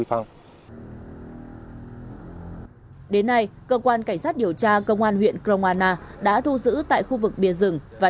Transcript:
trọng đến nay cơ quan cảnh sát điều tra công an huyện kroana đã thu giữ tại khu vực bia rừng và